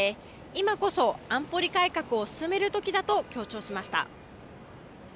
今こそ安保理改革を進める時だと強調しました。